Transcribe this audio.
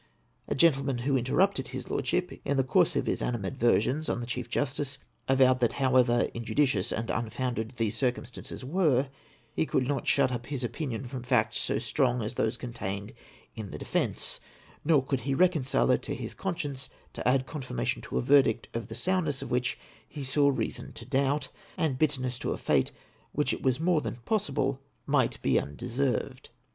A gentleman who in terrupted his Lordship in the course of his animadversions on the Chief Justice, avowed that however injudicious and un founded these circumstances were, he could not shut up his opinion from facts so strong as those contained in the defence, nor could he reconcile it to his conscience to add confirmation to a verdict of the soundness of which he saw reason to doubt, and bitterness to a fate which it was more than possible might be undeserved.